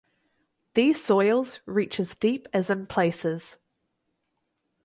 These soils reach as deep as in places.